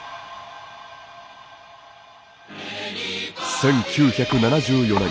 １９７４年。